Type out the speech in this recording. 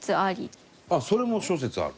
伊達：それも諸説ある？